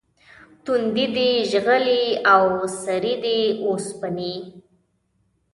تُندې دي شغلې او سرې دي اوسپنې